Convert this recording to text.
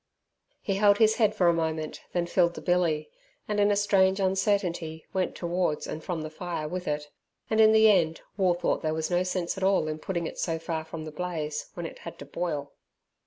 He held his head for a moment, then filled the billy, and in a strange uncertainty went towards and from the fire with it, and in the end War thought there was no sense at all in putting it so far from the blaze when it had to boil.